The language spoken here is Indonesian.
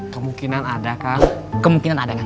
kemungkinan ada kang kemungkinan ada kan